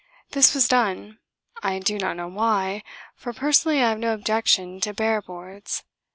This was done I do not know why, for personally I have no objection to bare boards.